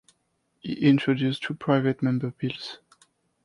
He introduced two private member bills.